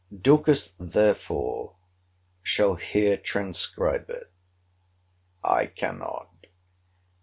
Dorcas therefore shall here transcribe it. I cannot.